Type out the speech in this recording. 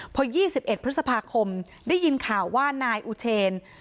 พอ๒๑พฤษภาคมได้ยินข่าวว่านายอุเชน